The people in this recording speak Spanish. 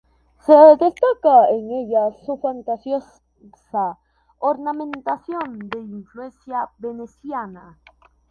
Se destaca en ella su fantasiosa ornamentación, de influencia veneciana.